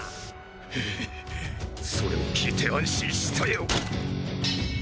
フッそれを聞いて安心したよ。